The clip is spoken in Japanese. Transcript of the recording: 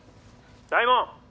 「大門！」